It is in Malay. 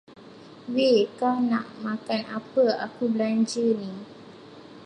Wei, kau nak makan apa aku belanja ni.